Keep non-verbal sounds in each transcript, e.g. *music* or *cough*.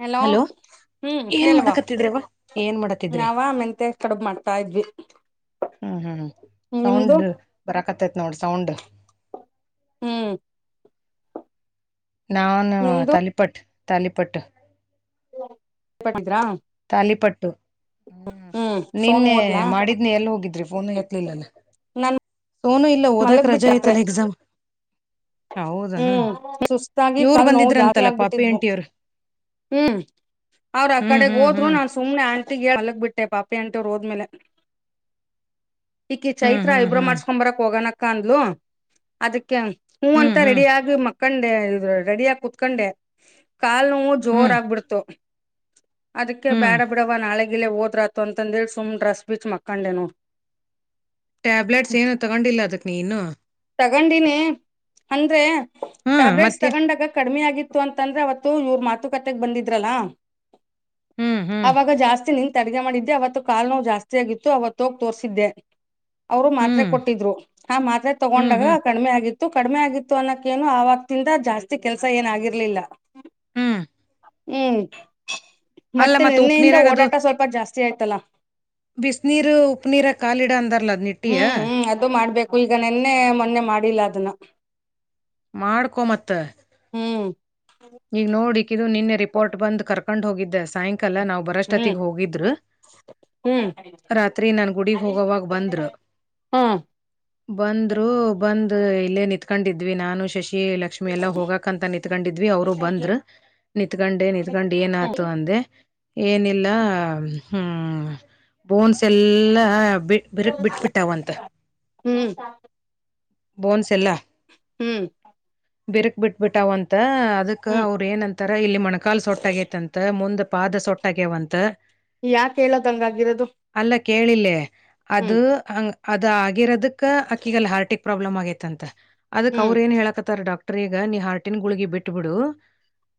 Hello ಹ್ಮ್ ಏನ್ ಹೇಳಲ್ವಾ ಮಾಡಕತ್ತಿದ್ರವ ಏನ್ ಮಾಡತಿದ್ರಿ ನಾವ ಮೆಂತೆ ಕಡುಬ ಮಾಡ್ತಾ ಇದ್ವಿ. ಹ್ಮ್ ಹ್ಮ್ ನಿಮ್ದು ಸೌಂಡ ಬರತಕ್ಕದ ನೋಡ ಸೌಂಡ್. ಹ್ಮ್ ನಾನು ನಿಮ್ದು ತಾಲಿಪಟ್ ತಾಲಿಪಟ್ಟ. ಮಾಡಿದ್ರ. ತಾಲಿಪಟ್ಟು ಹ ಸೋನು ನಿನ್ನೆ ಹೋದ್ಲಾ ಮಾಡಿದ. ಎಲ್ಲ ಹೋಗಿದ್ರಿ ಫೋನು ಎತ್ಲಿಲ್ಲಲ್ಲ ನಾನ್ ಸೋನು. ಇಲ್ಲ ಓದಕ್ ಮಲಗ್ ರಜೆ ಬಿಟ್ಟತ್ರೆ ಐತಲ್ಲ ಎಕ್ಸಾಮ್. ಹೌದೇನ ಹ್ಮ್ ಸುಸ್ತಾಗಿ ಇವರು ಕಾಲ್ ನೋವು ಜಾಸ್ತಿ ಬಂದಿದ್ರಂತಲ್ಲ ಪಾಪಿ ಆಗ್ಬಿಟ್ಟಿದ್ವು ಆಂಟಿಅವ್ರು. ಹ್ಮ್ ಅವ್ರ ಆ ಕಡೆ ಹೋದ್ರು ಹ್ಮ್ ನಾನ್ ಸುಮ್ನೆ ಆಂಟಿಗೆ ಹೇಳಿ ಮಲಗ್ ಬಿಟ್ಟೆ ಪಾಪಿ ಆಂಟಿರು ಹೋದ್ಮೇಲೆ. ಈಕಿ ಹ್ಮ್ ಚೈತ್ರ ಹ್ಮ್ ಐಬ್ರೊ ಹ್ಮ್ ಮಾಡ್ಸ್ಕೊ ಬರಕ್ ಹೋಗನಕ್ಕ ಅಂದ್ಲು ಅದಕ್ಕೆ. ಹು ಅಂತ ಹ್ಮ್ ರೆಡಿ ಹ್ಮ್ ಆಗಿ ಮಕ್ಕೊಂಡೆ ರೆಡಿಯಗಿ ಕುೂತ್ಕೊಂಡೆ ಕಾಲು ನೋವು. ಜೋರ ಹ್ಮ್ ಆಗ್ಬಿಡ್ತು ಅದಕ್ಕೆ ಹ್ಮ್ ಬೇಡ ಬಿಡವ ನಾಳೆ. ಆಗೇ ಹೋದ್ರತ ಅಂದೇಳಿ ಸುಮ್ ಡ್ರೆಸ್ ಬೀಚ್ ಮಕ್ಕಂಡೇ ನೋಡು. ಟ್ಯಾಬ್ಲೆಟ್ಸ್ ಏನು ತೊಗೊಂಡಿಲ್ಲ ಅದಕ್ಕೆ ನೀನು ಇನ್ನು. ತಗೊಂಡಿನಿ ಅಂದ್ರೆ ಹ್ಮ್ ಟ್ಯಾಬ್ಲೆಟ್ಸ್ ಮತ್ತೆ ತಗೊಂಡಾಗ ಕಡಿಮಿ ಆಗಿತ್ತು. ಅಂತಂದ್ರೆ ಅವತ್ತು ಇವ್ರ ಮಾತುಕತೆೆಗೆ ಬಂದಿದ್ರಲ್ಲ ಹ್ಮ್ ಹ್ಮ್ ಅವಾಗ ಜಾಸ್ತಿ ನಿಂತ್. ಅಡಗೆ ಮಾಡಿದ್ದೆ ಅವತ್ತ ಕಾಲು ನೋವು ಜಾಸ್ತಿ ಆಗಿತ್ತು ಅವತ್ತು ಹೋಗಿ ತೋರ್ರಿಸಿದ್ದೆ. ಅವರು ಮಾತ್ರೆ ಹ್ಮ್ ಕೊಟ್ಟಿದ್ರು ಆ ಮಾತ್ರೆ ಹ್ಮ್ ತಗೊಂಡಾಗ ಹ್ಮ್ ಕಡಿಮೆ ಆಗಿತ್ತು. ತ್ತು ಕಡಿಮೆ ಆಗಿತ್ತು ಅನ್ನೋಕ್ಕೇನು ಅವತಿಂದ ಜಾಸ್ತಿ ಕೆಲ್ಸ ಏನ ಆಗಿರ್ಲಿಲ್ಲ. ಹ್ಮ್ ಹ್ಮ್ ಅಲ್ಲ ಮತ್ತೆ ಮತ್ತ ನಿನ್ನೆಯಿಂದ ಉಪ್ನೀರಾಗ ಓಡಾಟ ಸ್ವಲ್ಪ ಜಾಸ್ತಿ ಆಯ್ತಲ್ಲಾ.. ಬಿಸಿನೀರು, ಉಪ್ಪನೀರ ಕಾಲಿಡ ಅಂದರ್ಲ. ಹ್ಮ್ ಹ್ಮ್ ಅದು ಮಾಡ್ಬೇಕು ಈಗ ನೆನ್ನೆ ಮೊನ್ನೆ ಮಾಡಿಲ್ಲ ಅದನ್ನ.. ಮಾಡ್ಕೊ ಮತ್ತ. ಹ್ಮ್ ಈಗ ನೋಡ ಇಕಿದು ನಿನ್ನೆ ರಿಪೋರ್ಟ್ ಬಂದ ಕರ್ಕೊಂಡ ಹೋಗಿದ್ದೆ ಸಾಯಂಕಾಲ ನಾವು. ಹ್ಮ್ ಬರೊಷ್ಟತಿಗೆ ಹೋಗಿದ್ರು. ಹ್ಮ್ ರಾತ್ರಿ ನಾನು ಗುಡಿಗೆ ಹೋಗೋವಾಗ ಬಂದ್ರು. ಹ್ಮ್ ಬಂದ್ರು ಬಂದ ಇಲ್ಲೇ ನಿತ್ಕೊಂಡಿದ್ವಿ ನಾನು ಶಶಿ ಎಲ್ಲಾ. ಲಕ್ಷ್ಮಿ ಎಲ್ಲಾ ಹೋಗಕ ಅಂತ ನಿಂತ್ಕೊಂಡಿದ್ವಿ ಅವರು ಬಂದ್ರ ನಿತ್ಕಂಡೆ ನಿತ್ಕಂಡ ಏನ ಆತು ಅಂದೆ. ಏನಿಲ್ಲ ಹ್ಮ ಬೋನ್ಸ್ ಎಲ್ಲಾ ಬಿಟ್ಟು. ಬಿರಕ್ ಬಿಟ್ಬಿಟ್ಟಾವಂತ ಹ್ಮ್ ಬೋನ್ಸ್ ಎಲ್ಲ. ಹೂ ಬಿರಕ್ ಬಿಟ್ಬಿಟ್ಟಾವಂತ. ಅಕ್ಕ ಹ್ಮ್ ಅವ್ರ ಏನಂತಾರ ಇಲ್ಲಿ ಮಣಕಾಲ ಸೊಟ್ಟ ಆಗೇತೈತ, ಮುಂದ್ ಪಾದ ಸೊಟ್ಟ ಆಗ್ಯವಂತ. ಯಾಕ್ ಹೇಳೋದ ಹಂಗ ಆಾಗಿರೋದು ಅಲ್ಲ ಕೇಳಿಲ್ಲೆ ಅದು ಹಂಗ್ ಅದ ಆಗಿರೋದಕ್ ಅಕ್ಕಿಗಲ್ಲ ಹಾರ್ಟಿಕ್ ಪ್ರಾಬ್ಲಮ್ ಆಗೇತ್ಂತ ಅದಕ್ ಹ್ಮ್ ಅವ್ರ ಏನ್ ಹೇಳಕ ರ್ ಡಾಕ್ಟರ್ ಈಗ ನೀ ಹಾರ್ಟಿನ ಗುಳಗಿ ಬಿಟ್ಟಬಿಡು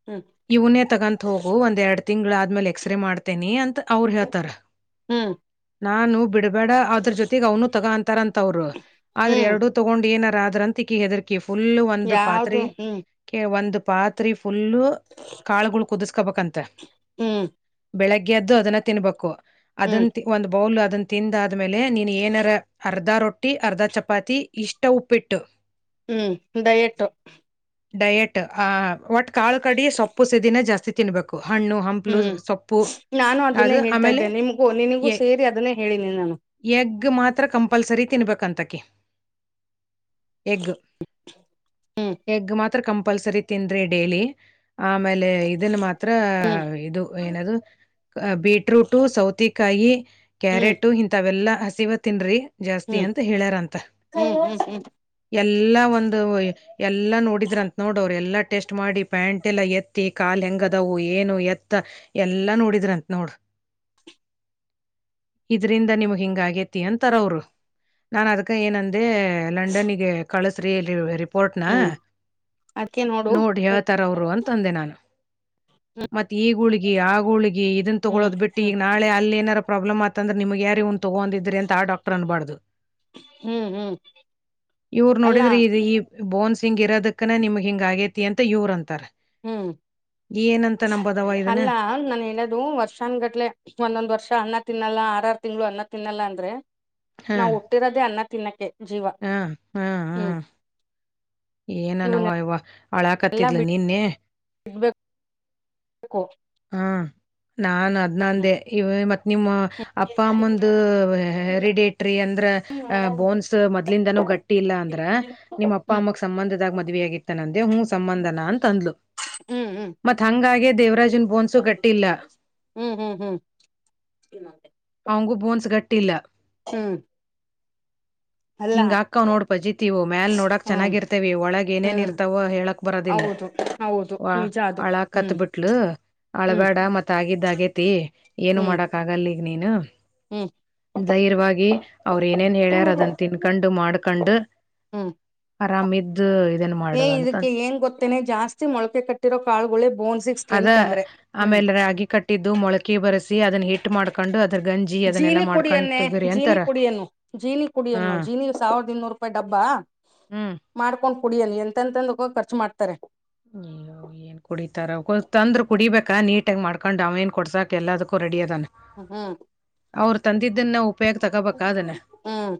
ಹೂ ಇವನೇ ತಗಂತ ಹೋಗು ಒಂದ್ ಎರಡ್ ತಿಂಗ್ಗಳ ಆದ್ಮೇಲೆ ಎಕ್ಸ್್ರೇ ಮಾಡ್ತೇನಿ ಅಂತ ಅವ್ರು ಹೇಳ್ತಾರ ಹ್ಮ್ ನಾನು ಬಿಡಬೇಡ ಆದ್ರ ಜೊತೆಗೆ ಅವ್ನು ತಗ ಅಂತಾರ ಅಂತ ಅವ್ರು ಆದ್ರೆ ಹ್ಮ್ ಎರಡುೂ ತಗೊಂಡ್ ಏನಾರ ಅದ್ರಂತಿಕಿ ಹೆದರಿಕಿ ಫುಲ್ಲು ಒಂದ್ ಯಾವ್ದು ಪಾತ್ರೆ ಹ್ಮ್ ಕೆ ಒಂದ್ ಪಾತ್ರಿ ಫುಲ್ಲ ಕಾಳು ಕುದಿಸಕೊಬೇಕಂತ ಹೂ ಬೆಳಿಗ್ಗೆ ಎದ್ದು ಅದನ್ನ ತಿನ್ಬೇಕು ಹ್ಮ್ ಅದನ್ ಒಂದ್ ಬೌಲ್ ಅದನ್ನ ತಿಂದ ಆದ್ಮೇಲೆ ನೀನ್ ಏನಾರ ಅರ್ಧ ರೊಟ್ಟಿ ಅರ್ಧ ಚಪಾತಿ ಇಷ್ಟ ಉಪ್ಪಿಟ್ಟು *unintelligible* ಹೂ ದಯಟ್ಟು ಡಯೆಟ್ ಆ ಒಟ್ ಕಾಲು ಕಡ ಸೊಪ್ಪು ಸದಿನ ಜಾಸ್ತಿ ತಿನ್ಬೇಕು ಹಣ್ಣು ಹಂಪ್ಲು ಹ್ಮ್ ಸೊಪ್ಪು ನಾನು ಅದನ್ನೇ ಅದು ಹೇಳ್ತಾ ಆಮೇಲೆ ಇದ್ದೆ ನಿಮ್ಗೂ ನಿನಗೂ ಎ ಸೇರಿ ಅದನ್ನೇ ಹೇಳಿನಿ ನಾನು ಎಗ್ ಮಾತ್ರ ಕಂಪಲ್ಸರಿ ತಿನ್ಬೇಕಂತಕ ಎಗ್ ಹ್ಮ್ ಎಗ್ ಮಾತ್ರ ಕಂಪಲ್ಸರಿ ತಿಂದ್ರಿ ಡೇಲಿ ಆಮೇಲೆ ಇದನ್ನ ಮಾತ್ರ ಹ್ಮ್ ಇದು ಏನ ಬೀಟ. ಬೀಟ್ರೂಟ್, ಸೌತೆ ಕಾಯಿ, ಹ್ಮ್ ಕ್ಯಾರೆಟು, ಇಂಥವೆಲ್ಲಾ ಹಸಿವ ತಿನ್ರಿ. ಜಾಸ್ತಿ ಹ್ಮ್ ಅಂತ ಹೇಳಾರಂತ ಹ್ಮ್ ಹ್ಮ್ ಎಲ್ಲಾ ಒಂದು ಎಲ್ಲಾ ನೋಡಿದ್ರಂತ ನೋಡ ಅವ್ರು ಎಲ್ಲಾ ಟೆಸ್ಟ್ ಮಾಡಿ ಪ್ಯಾಂಟ್ ಎಲ್ಲ ಎತ್ತಿ ಕಾಾಲ ಹೆಂಗದವು ಏನು ಎತ್ತ ಎಲ್ಲಾ ನೋಡಿದ್ರಂತ ನೋಡ ಇದ್ರಂದ ನಿಮಗ್ ಹಿಂಗ ಆಗೇತಿ ಅಂತಾರ ಅವ್ರು ನಾನ್ ಅದ್ಕ ಏನಂದೆ ಲಂಡನ್ಗೆ ಕಳಸ್ರಿ ರಿಪೋರ್ಟ್ನ ಹ್ಮ್ ಅದ್ಕೆ ನೋಡು ನೋಡ್ರಿ ಯಳ್ತರ ಅವರು ಅಂತಂದೆ ನಾನು ಹ್ಮ್ ಮತ್ತತ್ ಈ ಗೂಳಗಿ ಆಗೂಳಗಿ ಇದನ್ ಹ್ಮ್ ತೊಗೊೋದ್ ಬಿಟ್ಟು ಹ್ಮ್ ಈಗ ನಾಳೆ ಅಲ್ಲಿ ಏನಾರೋ ಪ್ರಾಬ್ಲಮ್ ಅಂದ್ರ ನಿಮಗ್ ಯಾರಾರಿ ತಗೊಂಡಿದ್ರ ಅಂತ ಡಾಕ್ಟರ್ ಅನ್ಬಾರ್ದು ಹ್ಮ್ ಹ್ಮ್ ಇವ್ರು ಅಲ್ಲ ನೋಡಿದ್ರಿ ಇ ಬೋನ್ಸ್ ಹಿಂಗ ಇರೋದಕ್ಕನೇ ನಿಮ್ಗೆ ಹಿಂಗ್ ಆಗೇತಿ ಅಂತ ಇವ್ರ ಅಂತಾರೆ ಹೂ ಇದನ್ನ ಅಲ್ಲ ನಾನು ಹೇಳದು ವರ್ಷ ಕ್ಷನ್ ಗಟ್ಲೆ ಒಂದೊಂದ್ ವರ್ಷ ಅನ್ನ ತಿನ್ನಲ್ಲ ಆರ ಆರ್ ತಿಂಗಳು ಅನ್ನ ತಿನ್ನಲ್ಲ ಅಂದ್ರೆ ಹ ನಾವು ಹುಟ್ಟಿರೋದೇ ಅನ್ನ ತಿನ್ನಕೆ ಜೀವ ಹ ಹ ಹ ಹೂ ಏನನವ ಇವ ಹಳ ಹಕತ್ತಿದ್ಲು ನಿನ್ನೆ ಸಿಗ್ಬೇಕು ಕೋ ಹಾ ನಾನ್ ನಂದೆ ಇವ ಮತ್ ನಿಮ್ಮ ಹ್ಮ್ ಅಪ್ಪ ಅಮ್ಮಂದ ಹೆರಿಡೇಟ್ರಿ ಅಂದ್ರ ಅಹ ಹ್ಮ್ ಬೋನ್ಸ್ ಮೊದ್ಲಿಂದನೂ ಗಟ್ಟಿ ಇಲ್ಲ ಅಂದ್ರ ನಿಮ್ ಅಪ್ಪ ಅಮ್ಮ ಸಂಬಂಧದಾಗ ಮದ್ವೇ ಆಗಿತ್ತಾನ ಅಂದೆ ಹ್ಮ ಸಂಬಂಧನ ಅಂತ ಅಂದ್ಲು. ಮತ್ ಹಂಗಾಗೆ ದೇವರಾಜನ್ ಬೋನ್ಸು ಗಟ್ಟಿ ಇಲ್ಲ. ಹ್ಮ್ ಹ್ಮ್ *unintelligible* ಅವಂಗು ಬೋನ್ಸ್ ಗಟ್ಟಿ ಇಲ್ಲ. ಹ್ಮ್ ಹಿಂಗ ಅಕ್ಕ್ ನೋಡ್ ಪಜಿತೀವು ಮ್ಯಲ್ ನೋಡಕ್ ಹ್ಮ್ ಚೆನ್ನಾಗಿರ್ತೇವಿ ಒಳಗ್ ಏನೇನ್ ಹ್ಮ್ ಇರ್ತಾವೋ ಹೇಳಕ್ ಬರೋದಿಲ್ಲ. ಹೌದು ಹೌದು ವಾ ನಿಜ ಅದು ಅಳಾಗ ಕತ್ ಹ್ಮ್ ಬಿಟ್ಲು ಹ್ಮ್ ಅಳ್ಬೇಡ ಮತ್ತ ಆಗಿದ್ದ ಅಗೇತಿ ಏನು ಹ್ಮ್ ಮಾಡಕ್ ಆಗಲಿಗ ನೀನು ಹ್ಮ್ ದ್ಯೆರ್ಯವಾಗಿ ಅವ್ರು ಏನೇನ್ ಹೇಳ್ಯಾರ ಅದನ್ನ ತಿನ್ಕೊಂಡು ಮಾಡ್ಕೊಂಡು *unintelligible* ಇದನ್ ಏ ಮಾಡು ಅಂತ ಇದಕ್ಕೆ ಏನ್ ಗೊತ್ತೇನೆ ಜಾಸ್ತಿ ಮೊಳಕೆ ಕಟ್ಟಿರೋ ಕಾಳುಗಳೇ ಬೋನ್ ಸಿಕ್ಸ್ ಅದ ಸ್ಟ್ರೆಂತ ಅಂದ್ರೆ ಹ್ಮ್ ಆಮೇಲೆ ರಾಗಿ ಕಟ್ಟಿದ್ದು ಮೊಳಕೆ ಬರೆಸಿ ಅದನ್ನ ಹಿಟ್ಟು ಜೀನಿ ಕುಡಿಯನ್ನೇ ತಗರಿ ಜೀನಿ ಅಂತಾರ ಕುಡಿಯನ್ನು ಜೀನಿ ಹಾ ಕುಡಿಯನ್ನು ಜೀನಿ ಸಾವಿರದ ಇನ್ನೂರು ರು ಅಪ್ಪ ಡಬ್ಬಾ ಹ್ಮ್ ಮಾಡ್ಕೊಂಡ್ ಕುಡಿಯಲ್ಲಿ ಎಂತಂತಂದ ಖರ್ಚು ಮಾಡ್ತಾರೆ. ಹ್ಮ ಏನ್ ಕುಡಿತಾರ ತಂದ್ರ ಕುಡಿಬೇಕಾ ನೀಟಾಗಿ ಮಾಡ್ಕೊಂಡ್ ಅವ ಏನ್ ಕೊಡ್ಸಾಕ್ ಎಲ್ಲದಕ್ಕೂ ರೆಡಿ ಅದಾನೆ ಹ್ಮ ಹ್ಮ್ ಅವರು ತಂದಿದ್ದನ್ನ ಉಪಯೋಗ ತಗೋಬೇಕ ಅದನ ಹ್ಮ್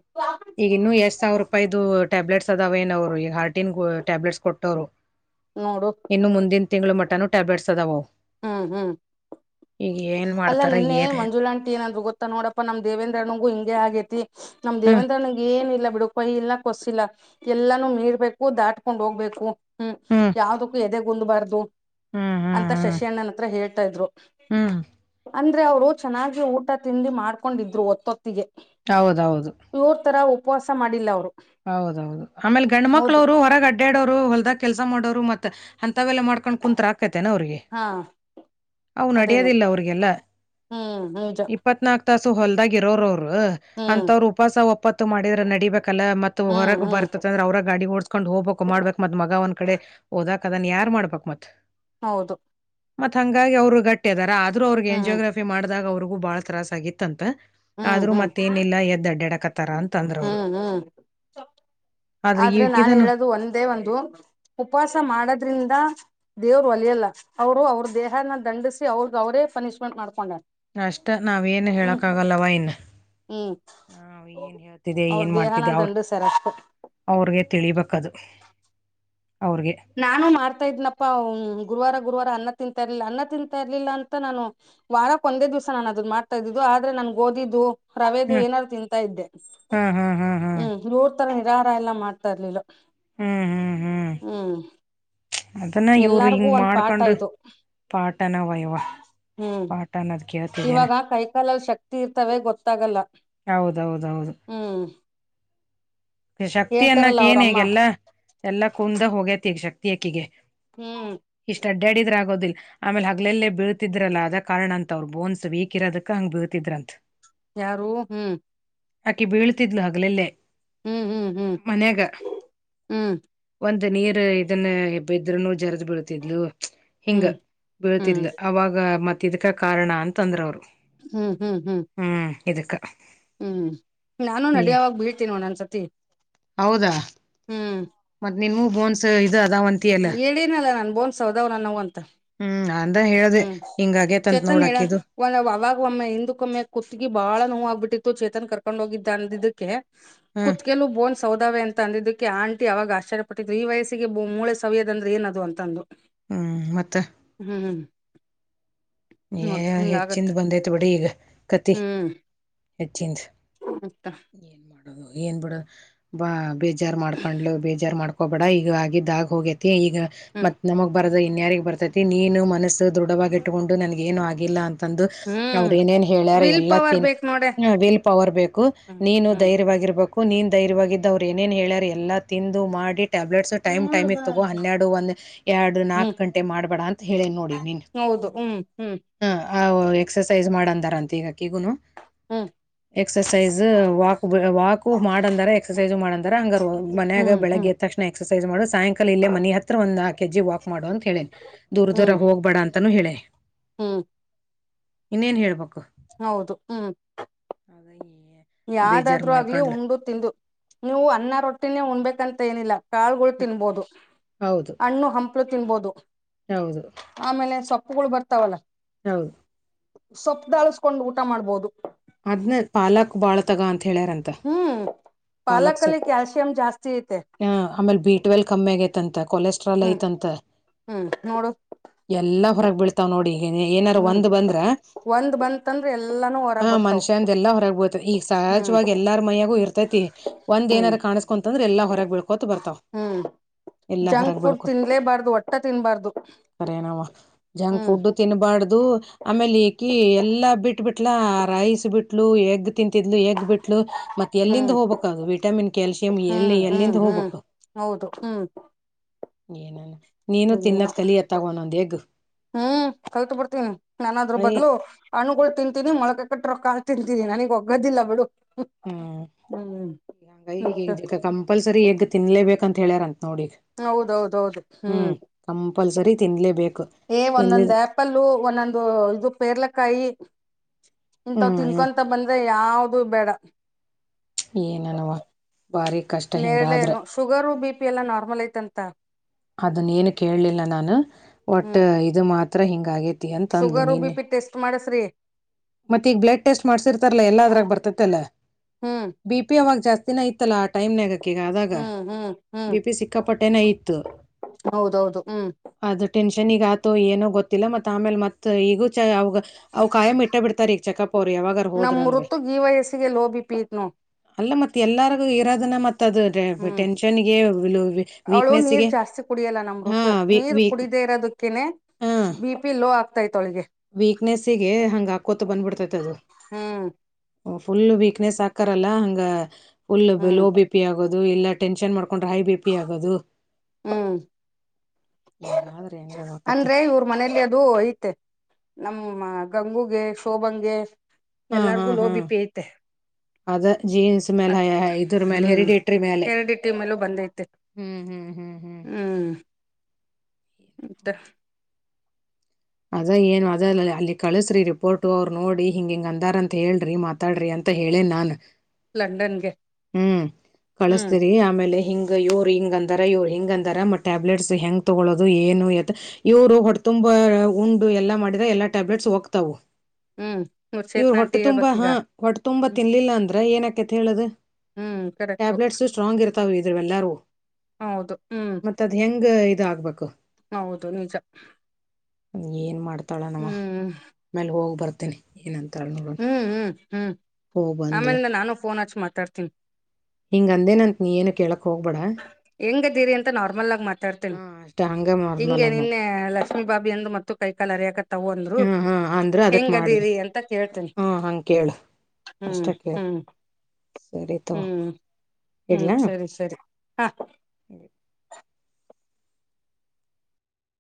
ಈಗ ಇನ್ನು ಎಷ್ಟ್ ಸಾವಿರ ರೂಪಾಯಿ ಇದು ಟ್ಯಾಬ್ಲೆಟ್ಸ್ ಅದಾವ ಏನ ಅವರು ಈಗ ಹಾರ್ಟಿನ್ ಟ್ಯಾಬ್ಲೆಟ್ಸ್ ಕೊಟ್ಟವ್ರು. ನೋಡು. ಇನ್ನು ಮುಂದಿನ ತಿಂಗಳು ಮಟನು ಟ್ಯಾಬ್ಲೆಟ್ಸ್ ಅದಾವು. ಹ್ಮ್ ಹ್ಮ್ ಅಲ್ಲ ಮಾಡ್ತಾರ ನಿನ್ನೆ ಏನ್ ಮಂಜುಳಾಂಟಿ ಏನಂದ್ರು ಗೊತ್ತ? ನೋಡಪ್ಪಾ ನಮ್ ದೇವೇಂದ್ರಣ್ಣಗು ಹಿಗೆ ಆಗೇತಿ ನಮ ಹ್ಮ್ ದೇವೇಂದ್ರಣ್ಣಗ ಏನ ಇಲ್ಲ ಬಿಡು ಕೊಯ ಇಲ್ನ ಕೊಸಿಲ್ಲ ಎಲ್ಲಾನೂ ಮೀರ್ಬೇಕು ದಾಟ್ಕೊಂಡ್ ಹೋಗ್ಬೇಕು. ಹ್ಮ್ ಯಾವದಕ್ಕೂ ಎದೆ ಗುಂದ್ಬಾರ್ದು ಹ್ಮ್ ಹ್ಮ್ ಅಂತ ಹ್ಮ್ ಶಶಿ *unintelligible* ಅಣ್ಣನ ಹತ್ರ ಹೇಳ್ತಾ ಇದ್ರು ಹ್ಮ್ ಅಂದ್ರೆ ಅವರು ಚೆನ್ನಾಗಿ ಊಟ ತಿಂಡಿ ಮಾಡ್ಕೊಂಡಿದ್ರು ಒತ್ತೊತ್ತಿಗೆ ಹೌದೌದು ಇವ್ರ ತರ ಉಪವಾಸ ಮಾಡಿಲ್ಲ ಅವ್ರು. ಹೌದೌದು ಆಮೇಲೆ ಗಂಡು ಹೌದು ಮಕ್ಳವರು ಹೊರಗಟ್ಟ ಅಡಾಡೋರು ಹೊಲ್ದಾಗ ಕೆಲಸ ಮಾಡೋರು ಮತ್ತ ಅಂತವೆಲ್ಲ ಮಾಡ್ಕೊಂಡ್ ಕುತ್ರ ಆಕೈತೆೇನ ಅವ್ರಿಗೆ ಹಾ ಅದೇನೆ ಅವನ್ಡೆಯೋದಿಲ್ಲ ಅವ್ರಿಗೆಲ್ಲ ಹ್ಮ್ ನಿಜ ಇಪ್ಪತ್ ನಾಕು ತಾಸು ಹೊಲ್ದಾಗ ಇರೋರ ಅವರು ಹ್ಮ್ ಅಂತವರು ಉಪವಾಸ ಒಪ್ಪತ್ತು ಮಾಡಿದ್ರ ನಡಿಬೇಕಲ್ಲ ಮತ್ತ ಹ್ಮ್ ಹೊರಗ್ ಹ್ಮ್ ಬರ್ತತ ಅಂದ್ರೆ ಅವ್ರ ಗಡಿ ಓಡ್ ಕಕೊಂಡ್ ಹೋಗ್ಬೇಕ್ ಮಾಡ್ಬೇಕಕ್ ಮತ್ ಮಗ ಒಂದ್ ಕಡೆ ಓದಾಕ್ ಅದನೆ ಯಾರ್ ಮಾಡ್ಬೇಕ್ ಮತ್ತೆ ಹೌದು ಮತ್ತ ಹಂಗಾಗಿ ಅವರು ಗಟ್ಟಿಗದಾರ ಆದ್ರೂ ಅವ್ರಿಗೆ ಹ್ಮ್ ಅಂಜೋಗ್ರಫಿ ಮಾಡ್ದಾಗ ಅವ್ರಿಗೂ ಬಾಳ ತ್ರಾಸ ಆಗಿತ್ತ ಅಂತ ಹ್ಮ್ ಆದ್ರರು ಹ್ಮ್ ಮತ್ತೇನಿಲ್ಲ ಎದ್ ಅಡ್ಡ್ಯಾಡಕತಾರ ಅಂತ ಅಂದ್ರ ಅವ್ರು ಹ್ಮ್ ಹ್ಮ್ ಆದ್ರ ಆದ್ರೆ ನಾನ್ ಈಕಿದನು ಹೇಳದು ಒಂದೇ ಒಂದು ಉಪವಾಸ ಮಾಡದ್ರಿಂದ ದೇವ್ರು ವಲಿಯಲ್ಲ ಅವ್ರು ಅವ್ರ ದೇಹನ ದಂಡಿಸಿ ಅವ್ರಗ್ ಅವರೇ ಪನಿಶ್ಮೆಂಟ್ ಮಾಡ್ಕೊಂಡ ಅಷ್ಟ ನಾವೇನು ಹೇಳಕ್ಕಾಗಲ್ಲವ ಇನ್ ಹ್ಮ್ ನಾವ್ ಏನ್ ಹೇಳ್ತಿದ್ದೆ ಅವ್ರ ಏನ್ ದೇಹನ ಮಾಡ್ತಿದ್ದೆ ಅವ್ರ. ದಂಡಸ್ಯಾರ ಅಷ್ಟೆ ಅವ್ರಿಗೆ ತಿಳಿಬೇಕದು ಅವ್ರಿಗೆ. ನಾನು ಮಾಡ್ತಾ ಇದ್ನಪ್ಪ ಗುರುವಾರ ಗುರುವಾರ ಅನ್ನ ತಿಂತ ಇರ್ಲಿಲ್ಲ ಅನ್ನ ತಿಂತಾ ಇರ್ಲಿಲ್ಲ ಅಂತ ನಾನು. ವಾರಕ್ ಒಂದೇ ದಿವ್ಸ ನಾನ್ ಅದುನ್ ಮಾಡ್ತಾ ಇದಿದ್ದು ಆದ್ರೆ ನನ್ ಗೊದಿದ್ದು. ರವೆೇದು ಹ್ಮ್ ಏನಾರು ತಿಂತ ಇದ್ದೆ ಹ್ಮ್. ತರ ನಿರಾರ ಎಲ್ಲಾ ಮಾಡ್ತಾ ಇರ್ಲಿಲ್ಲ. ಹಾ ಹಾ ಹ್ಮ ಅದನ್ನ ಇವರು ಹಿಂಗ ಒಂದ್ ಪಾಠ ಮಾಡ್ಕೊಂಡ್ ಇದು ಪಾಠನವ ಇವ. ಹ್ಮ್ ಇವಾಗ ಕೈಕಾಲಲ್ ಶಕ್ತಿ ಇರ್ತವೆ ಗೊತ್ತಾಗಲ್ಲ. ಹೌದೌದು. ಹ್ಮ್ ಶಕ್ತಿ ಹೇಳ್ತಾರಲ್ಲ ಅನ್ನಕ್ ಏನ್ ಅವ್ರಮ್ಮ ಈಗೆಲ್ಲಾ ಎಲ್ಲಾ ಕುಂದ ಹೋಗೇತಿ ಈಗ ಶಕ್ತಿಯಕಿಗೆ. ಹ್ಮ್ ಇಷ್ಟ್ ಅಡ್ಡ್ಯಾಡಿದ್ರ ಆಗೋದಿಲ್ಲ. ಆಮೇಲೆ ಹಗ್ಲೆಲ್ಲೇ ಬೀಳ್ತಿದ್ರಲ್ಲ ಅದ ಕಾರಣ ಅಂತ ಅವ್ರರು ಬೋನ್ಸ್ ವೀಕ್ ಇರೋದಕ್ಕ ಹಂಗ್ ಬೀಳ್ತಿದ್ರಂತ. ಯಾರು ಹ್ಮ್. ಆಕೆ ಬೀಳ್ತಿದ್ಲು ಹಗ್ಲೆಲ್ಲೇ ಹ್ಮ್ ಹ್ಮ್ ಹ್ಮ್ ಮನ್ಯಾಗ. ಹ್ಮ್ ಒಂದ್ ನೀರು ಇದನ್ನ ಇದ್ರನು ಜರದ್ ಬಿಳತಿದ್ಲು. ಹಿಂಗ ಹ್ಮ್ ಹ್ಮ್ ಬೀಳ್ತಿದ್ಲ ಅವಾಗ ಮತ್ತ ಇದಕ ಕಾರಣ ಅಂತಂದ್ರ ಅವ್ರು. ಹ್ಮ್ ಹ್ಮ್ ಹ್ಮ್ ಹ್ಮ್ ಇದುಕ್ಕ. ಹ್ಮ್ ನಾನು ನಡಿಯವಾಗ ಬಿಳ್ತೀನಿ ಒನ್ಒನ್ಸತಿ. ಹೌದಾ. ಹ್ಮ್ ಮತ್ ನಿಂಗೂ ಬೋನ್ಸ್ ಇದು ಅದವ. ಹೇಳೇನಲ್ಲ ನನ್ ಬೋನ್ಸ್ ಸೌದವು ನನ್ನವು ಅಂತ. ಹ್ಮ್ ಅಂದ್ರ ಹೇಳ್ದ ಹ್ಮ್ ಹಿಂಗ ಆಗೇತಂತ್ ಚೇತನ್ ನೋಡ ಹೇಳನ್ ಆಕಿದು. ಒಂದ ಅವಾಗ ಒಮ್ಮೆ ಹಿಂದಕ್ಕ ಒಮ್ಮೆ ಕುತ್ಗಿ ಬಾಳ ನೋವಾಗಬಿಟ್ಟಿತ್ತು ಚೇತನ್ ಕರ್ಕೊಂಡ್ ಹೋಗಿದ್ದ ಅಂದ ಇದಕ್ಕೆ. ಹ್ಮ್ ಕುತ್ ಕೆಲೂ ಬೋನ್ ಸೌದಾವೇ ಅಂತ ಅಂದಿದ್ದಕ್ಕೆ ಆಂಟಿ ಅವಾಗ ಆಶ್ಚ್ಯಪಟ್ಟಿದ್ರು ಈ ವಯಸಿಗೆ ಮೂಳೆ ಸವ್ಯದು ಅಂದ್ರೆ ಏನ ಅದು ಅಂತ. ತಂದು. ಹ್ಮ್ ಮತ್ತೆ. ಹ್ಮ್ ಏ ನೋಡ್ ಹಿಂಗ ಹೆಚ್ಚಿಂದ ಆಗತ್ತೆ ಬಂದೈತ್ ಬಿಡಿ ಈಗ ಕತಿ ಹ್ಮ್ ಹೆಚ್ಚಿಂದ. ಮತ್ತ. ಏನ್ ಮಾಡೋದು ಏನ್ ಬಿಡ ಬಾ ಬೇಜಾರ್ ಮಾಡ್ಕೊಂಡ್ಲ ಬೇಜಾರ್ ಮಾಡ್ಕೋಬೇಡ ಈಗ ಆಗಿದ್ದಾ ಆಗಿ ಹೋಗೇತಿ ಈಗ. ಹ್ಮ್ ಮತ್ ನಮಗ್ ಬರದ ಇನ್ಯಾರಿಗ್ ಬರ್ತೈತಿ ನೀನು ಮನಸ್ಸು ದೃಢವಾಗಿ ಇಟ್ಟುಕೊಂಡು ನನ್ಗ ಏನು ಆಗಿಲ್ಲ ಅಂತ. ತಂದು ಅವ್ರ ಹ್ಮ್ ಏನೇನ್ ಹೇಳ್ಯಾರ ವಿಲ್ ಎಲ್ಲಾ ಪವರ್ ತಿನ್ ಬೇಕ್ ನೋಡ ಹ ವಿಲ್ ಪವರ್ ಬೇಕು ಹ್ಮ್ ನೀನು ಹ್ಮ್ ಧೈರ್ಯವಾಗಿರ್ಬೇಕು. ನೀನ್ ಧೈರ್ಯವಾಗಿದ್ದು ಅವ್ರು ಏನೇನ್ ಹೇಳ್ಯಾರ ಎಲ್ಲಾ ತಿಂದು ಮಾಡಿ. ಟ್ಯಾಬ್ಲೆಟ್ಸು ಟೈಮ್ ಟೈಮಿಗೆ ತಗೋ ನೋಡ್ಬಾರ್ದು. ಹನ್ನೆರಡು ಒಂದು ಎರಡು ನಾಕು ಹ್ಮ್ ಗಂಟೆ ಮಾಡಬೇಡ ಅಂತ ಹೇಳೇನೀ ನೋಡಿ ನೆನ್ನೆ. ಹೌದು ಹ್ಮ್. ಹ್ಮ್ ಹ ಆ ಎಕ್ಸಸೈಸ್ ಮಾಡಂದಾರಂತೆ ಈಗ ಅಕಿಗುನು. ಹ್ಮ್ ಎಕ್ಸಸೈಸ್ ವಾಕ್ ವಾಕು ಮಾಡಂದಾರ ಎಕ್ಸಸೈಜ ಮಾಡಂದಾರ ಹಂಗಾರ ಮನ್ಯಾಗ ಹ್ಮ್ ಹ್ಮ್ ಬೆಳಗ್ಗೆ ಎದ ತಕ್ಷಣ. ಎಕ್ಸರ್ಸೈಸ್ ಮಾಡು ಸಾಯಂಕಾಲ ಇಲ್ಲ ಮನಿ ಹತ್ರ ಒಂದ ನಾಲ್ಕ ಎಜ್ಜಿ ವಾಕ್ ಮಾಡು ಅಂತ ಹೇಳೇನಿ. ದೂರ ಹ್ಮ್ ದೂರ ಹೋಗ್ಬೇಡ ಅಂತಾನೂ ಹೇಳೆ. ಹ್ಮ್ ಇನ್ನೇನ್ ಹೇಳ್ಬೇಕು. ಹೌದು ಹ್ಮ್. ಅದ ಏ. ಯಾವ್ದಾದ್ರು ಆಗ್ಲಿ ಉಂಡು ತಿಂದು ನೀವು ಅನ್ನ ರೊಟ್ಟಿನೇ ಉಣ್ಬೇಕಂತ ಏನಿಲ್ಲ. ಕಾಳಗಳು ತಿನ್ಬಹದು ಹೌದು ಹಣ್ಣು ಹಂಪ್ಲು ತಿನ್ಬಹದು. ಹೌದು ಆಮೇಲೆ ಸೊಪ್ಪುಗಳು ಬರ್ತಾವಲ್ಲ. ಹೌದು. ಸೊಪ್ಪ ದಾಳಸ್ಕೊಂಡ್ ಊಟ ಮಾಡ್ಬಹದು. ಅದ್ನ ಪಾಲಾಕ್ ಬಾಳ ತಗ ಅಂತ ಹೇಳ್ಯಾರ ತ ಹ್ಮ್ ಪಾಲಕ್ ಪಾಲಕಲ್ಲಿ ಸೊಪ್ಪ ಕ್ಯಾಲ್ಸಿಯಂ ಜಾಸ್ತಿ ಐತೆ ಆ ಆಮೇಲೆ ಬೀಟ್ ಟ್ವೆಲ್ ಕಮ್ಮಿ ಆಗತ್ಂತ ಕೊಲೆಸ್ಟ್ರಾಲ್ ಹ್ಮ್ ಐತಂತ. ಹ್ಮ್ ನೋಡು ಎಲ್ಲಾ ಹೊರಕ್ ಬೀಳ್ತಾವ್ ನೋಡಿ ಏನಾರು ಹ್ಮ್ ಒಂದ್ ಬಂದ್ರ. ಒಂದ್ ಬಂ ಅಂದ್ರೆ ಎಲ್ಲಾನು. ಹ ಹೊರಗ್ ಬರ್ತಾವ ಮನುಷ್ಯಂದ ಎಲ್ಲಾ ಹೊರಗಬೋತಿ ಈಗ ಹ್ಮ್ ಸಹಜವಾಗಿ ಎಲ್ಲಾರ ಮಯ್ಯಾಗು ಇರ್ತೈತಿ ಒಂದ್ ಹ್ಮ್ ಎನಾರ ಕಾಣ ಕೊಂತಂದ್ರೆ ಎಲ್ಲಾ ಹೊರಗ್ ಬೀಳ್ಕೋತ ಬರ್ತಾವ. ಹ್ಮ್ ಎಲ್ಲಾ ಜಂಕ್ ಹೊರಗ್ ಫುಡ್ ಬೆಳ್ಕೊ ತಿನ್ಲೇಬಾರ್ದು ಒಟ್ಟ ತಿನ್ಬಾರ್ದು ಸರಿನವ ಜಂಕ್ ಹ್ಮ್ ಫುಡ್ ತಿನ್ಬಾರ್ದು ಆಮೇಲೆ ಈಕಿ ಎಲ್ಲಾ ಬಿಟ್ಟ ಬಿಟ್ಲ. ರೈಸ್ ಬಿಟ್ಲು ಎಗ್ ತಿಂತಿದ್ಲು ಎಗ್ ಬಿಟ್ ಮತ್ ಎಲ್ಲಿಂದ ಹ್ಮ್ ಹೋಗ್ಬೇಕ್ ಅದು ವಿಟಮಿನ್ ಕ್ಯಾಲ್ಸಿಯಂ ಹ್ಮ್ ಎಲ್ಲಿ ಹ್ಮ್ ಎಲ್ಲಿಂದ ಹ್ಮ್ ಹೋಗ್ಬೇಕು. ಹೌದು ಹ್ಮ್. ಏನನ. ನೀನು ಏನು ತಿನ್ನದ್ ಕಲಿಯತ್ತಾಗ ಒಂದೊಂದ್ ಎಗ್ ಹ್ಮ್ ಕಲ್ತ್ ಬಿಡ್ತೀನಿ ನಾನದ್ರ ಐ ಬದ್ಲು. ಹಣುಗಳು ತಿಂತೀನಿ ಮೊಳಕ ಕಟ್ಟ್ರ ಕಾಳ್ ತಿಂತೀನಿ ನನಗ್ ಒಗ್ಗೋದಿಲ್ಲ ಬಿಡು. ಹ್ಮ್ ಹ್ಮ್ ಈ ಈಗ ಕಂಪಲ್ಸರಿ ಎಗ್ ತಿನ್ಲೇಬೇಕಂತ ಹೇಳ್ಯಾರಂತ ನೋಡಿಗ್. ಹ್ಮ್ ಕಂಪಲ್ಸರಿ ತಿನ್ಲೇಬೇಕು ತಿನ್ ಪ್ಪಲ್ಲ ಒಂದೊಂದು ಇದು ಪೇರ್ಲೆಕಾಯಿ ಇಂತ ಹ್ಮ್ ತಿನ್ಕೊಂತ ಬಂದ ಬಂದ್ರೆ ಯಾವ್ದ ಬೇಡ. ಏನನವಾ ಬಾರಿ. ನೇರಳೇನು ಶುಗರು ಬಿ ಪಿ ಎಲ್ಲ ನಾರ್ಮಲ್ ಐತಂತ. ಅದನ್ನ ಏನು ಕೇಳಲಿಲ್ಲ ನಾನು ಒಟ್ ಇದು ಮಾತ್ರ ಹಿಂಗ ಆಗೇತಿ ಶುಗರ್ ಬಿ ಪಿ ಟೆಸ್ಟ್ ಮಾಡಸ್ರೀ. ಮತ್ತ ಈಗ ಬ್ಲಡ್ ಟೆಸ್ಟ್ ಮಾಡಸರ್ತಲ್ಲ ಎಲ್ಲ ಅದ್ರಗ ಬರ್ತತೆಲ್ಲ. ಹ್ಮ್ ಬಿಪಿ ಅವಾಗ ಜಾಸ್ತಿನ ಐತ್ತಲ್ಲ ಆಟೈಮ್ ನಗ. ಅದಾಗ ಹ್ಮ್ ಹ್ಮ್ ಹ್ಮ್ ಬಿ ಪಿ ಸಿಕ್ಕಾಪಟ್ಟೇನ ಇತ್ತು. ಹೌದೌದು ಹ್ಮ್ ಅದು ಟೆನ್ಷನ್ಗ ಆತು ಏನೋ ಗೊತ್ತಿಲ್ಲ ಮತ್ ಆಮೇಲೆ ಮತ್ ಈಗೂ ಚ ಅವ ಅವ ಕಾಯಮ್ ಇಟ್ಟ ತಾರೀಖ ಚಕ್ಕಪ್ಪು ಅವ್ರು ಯಾವಾಗ. ನಮ್ಮ ಋತು ಈ ವಯಸ್ಸಿಗೆ ಲೋ ಬಿಪಿ ಐತ್ ನೋಡು. ಅಲ್ಲ ಮತ್ ಎಲ್ಲಾರ್ಗು ಇರೋದನ್ನ ಮತ್ ಅದು. ಹ್ಮ್ ಟೆನ್ಷನ್ಗೆ ವಿಲೋ ಅವಳು ನೀರ್ ವೀಕ್ನೆಸ್ಗೆ ಜಾಸ್ತಿ ಹಾ ವಿ ವಿ ಕನೆ ಬಿ ಪಿ ಲೋ ಆಗ್ತಾ ಐತವ್ಳಿಗೆ. ವೀಕ್ನೆಸ್ಗೆ ಹಂಗ್ ಆಕೋತ ಬಂದ್ಬಿಡ್ತೈತ್ ಅದು. ಹ್ಮ್ ಫುಲ್ ವೀಕ್ನೆಸ್ ಹಾಕಾರಲ್ಲ ಹಂಗ ಫುಲ್ ಹ್ಮ್ ಲೋ ಬಿ ಪಿ ಆಗೋ ದು ಇಲ್ಲ ಟೆನ್ಷನ್ ಮಾಡ್ಕೊಂಡ್ರೆ ಹೈ ಬಿ ಪಿ ಆಗೋದು. ಹ್ಮ್ *unintelligible* ಅಂದ್ರೆ ಇವ್ರ್ ಮನೇಲಿ ಅದು ಐತೆ ನಮ್ಮ ಗಂಗುಗೆ ಶೋಭಂಗೆ ಹಾ ಹಾ ಎಲ್ಲಾರ್ಗು ಲೋ ಹಾ ಬಿ ಪಿ ಐತೆ. ಅದ ಜೀನ್ಸ್ ಮೇಲೆ ಅದು ಹ ಹೈ ಇದ್ರ ಮೇಲೆ ಹ್ಮ್ ಹೆರಿಡೇಟರಿ ಮೇಲೆ. ಹೆರಿಡಿಟಿ ಮೇಲೂ ಬಂದೈತೆ ಹ್ಮ್ ಹ್ಮ್ ಹ್ಮ್ ಹ್ ಹ್ಮ್ ಮ್ ತ್ತ ಅದ ಏನು ಅದ ಅಲ್ಲಿ ಕಳಸ್ರಿ ರಿಪೋರ್ಟು ಅವ್ರು ನೋಡಿ ಹಿಂಗ ಹಂಗ ಅಂದಾರ ಅಂತ ಹೇಳ್ರಿ ಮ ಮಾತಾಡ್ರಿ ಅಂತ ಹೇಳೇನ್ ನಾನ್ ಲಂಡನ್ಗೆ ಹ್ಮ ಹ್ಮ್ ಕಳಸ್ತರಿ ಆಮೇಲೆ ಹಿನ್ ಗ ಇವರು ಹಿಂಗೆ ಅಂದಾರ ಇವ್ರು ಹಿಂಗೆ ಅಂದಾರ ಮತ್ತು ಟ್ಯಾಬ್ಲೆಟ್ಸ್ ಹೆಗೆ ತಗೊಳ್ಳೋದು ಏನು ಎತ್ತ ಇವ್ರು ಹೊಡ್ತುಂಬ ಉಂಡು ಎಲ್ಲಾ ಮಾಡಿದ್ರ ಎಲ್ಲಾ ಟ್ಯಾಬ್ಲೆಟ್ಸ್ ಹೋಗ್ತವು. ಹ್ಮ್ ಮೂರ್ ಸೇತ್ ನಂಟಿ ಹೇಳ್ಬೇಕ್ ಈಗ ಹೊಟ್ಟ ತುಂಬಾ ತಿನ್ಲಿಲ್ಲ ಅಂದ್ರೆ ಏನಕತಿ ಹೇಳುದು ಹ್ಮ್ ಕರೆಕ್ಟು ಟ್ಯಾಬ್ಲೆಟ್ಸ್ ಸ್ ಸ್ಟ್ರಾಂಗ್ ಇರ್ತವ್ ಇದುವ್ ಏಲ್ಲಾರೂ ಹೌದು ಹ್ಮ್ ಮತ್ತದು ಹೆಂಗ ಇದ್ ಆಗ್ಬೇಕು. ಹೌದು ನಿಜ ಏನ್ ಮಾಡ್ತಾಳ ನವ ಹ್ಮ್ ಮೇಲ್ ಹೋಗ್ ಬರ್ತೇನಿ ಏನಂತಳ ನೋಡ್ವ. ಹ್ಮ ಉ ಹ್ಮ್ ಹ್ಮ್ ಆಮೇಲಿಂದ ನಾನು ಫೋನ್ ಹಚ್ಚಿ ಮಾತಾಡ್ತೀನಿ. ಹಿಂಗ್ ಅಂದೇನಂತ ನೀ ಏನು ಕೇಳಕ್ ಹೋಗ್ಬೇಡ. ಹೆಂಗದೀರಿ ಅಂತ ನಾರ್ಮಲ್ ಆಗ್ ಮಾ ತಾಡ್ತೀನ್ ಹಾ ಅಷ್ಟ ಹಂಗ ನಾರ್ಮಲ್ ಹಿಂಗೆ ಆಗಿ ಮತ್ ನಿನ್ನೆ ಲಕ್ಷ್ಮಿ ಬಾಬಿ ಅಂದು ಮತ್ತು ಕೈಕಾಲ್ ಹರಿಯಕತ್ತ ಅಂದ್ರು ಹಾ ಹಾ ಅಂದ್ರ ಅದಕ್ ಮಾಡ್ದೆ ಹೆಂಗದಿರಿ ಅಂತ ಕೇಳ್ತೇನಿ. ಹಾ ಹಂಗ ಕೇಳು ಹ್ಮ್ ಅಷ್ಟ ಕೇಳ ಹ್ಮ್ ಸರಿ ತಗೋ ಹ್ಮ್ ಹ್ಮ್ ಇಡ್ಲಾ ಸರಿ ಸರಿ. ಹಾ